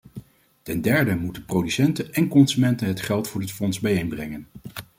Ten derde moeten producenten en consumenten het geld voor dit fonds bijeenbrengen.